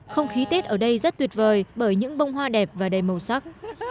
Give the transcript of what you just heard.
không khí tết ở đây rất tuyệt vời bởi những bông hoa đẹp và đầy màu sắc